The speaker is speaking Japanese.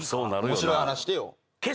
面白い話してよ。